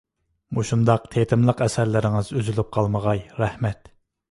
مۇشۇنداق تېتىملىق ئەسەرلىرىڭىز ئۈزۈلۈپ قالمىغاي. رەھمەت!